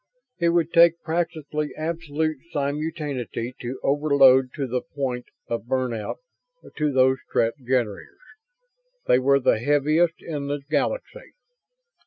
It would take practically absolute simultaneity to overload to the point of burnout to those Strett generators. They were the heaviest in the Galaxy.